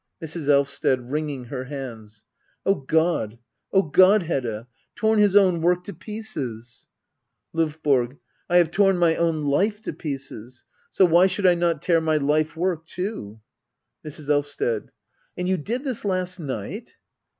Mrs. Elvsted. [ Wringing her hands.] Oh God — oh God, Hedda — torn his own work to pieces ! LdVBORG. I have torn my own life to pieces. So why should I not tear my life work too ? Mrs. Elvsted. And you did this last night